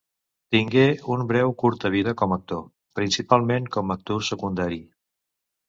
Tingué un breu curta vida com a actor, principalment com a actor secundari.